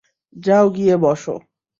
যাও গিয়ে বসো।